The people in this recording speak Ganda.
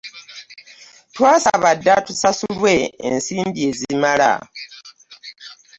Twasaba dda tusasulwe ensimbi ezimala.